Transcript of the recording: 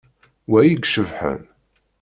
Wa i icebḥen.